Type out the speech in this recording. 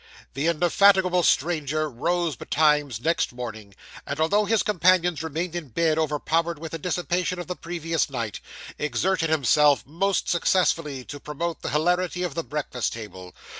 The indefatigable stranger rose betimes next morning, and, although his companions remained in bed overpowered with the dissipation of the previous night, exerted himself most successfully to promote the hilarity of the breakfast table.